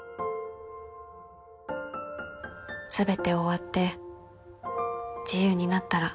「全て終わって自由になったら」